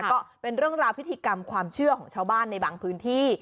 ก็เป็นเรื่องราวพิธีกรรมความเชื่อของชาวบ้านในบางพื้นที่